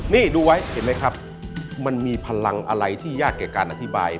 นี่ดูไว้เห็นไหมครับมันมีพลังอะไรที่ยากแก่การอธิบาย